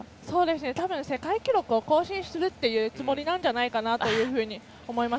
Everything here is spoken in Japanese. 多分、世界記録を更新するっていうつもりなんじゃないかと思います。